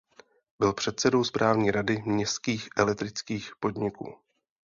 Byl předsedou správní rady městských elektrických podniků.